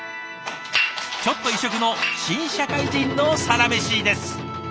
ちょっと異色の新社会人のサラメシです。